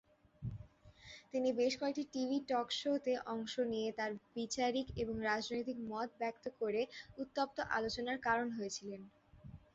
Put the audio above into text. তিনি বেশ কয়েকটি টিভি টক শোতে অংশ নিয়ে তার বিচারিক এবং রাজনৈতিক মত ব্যক্ত করে উত্তপ্ত আলোচনার কারণ হয়েছিলেন।